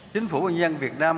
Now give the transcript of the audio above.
chính phủ bình an việt nam